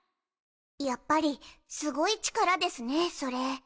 やっぱりすごい力ですねそれ。